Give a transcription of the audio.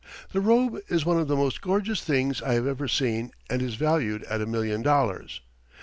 This robe is one of the most gorgeous things I have ever seen and is valued at a million dollars.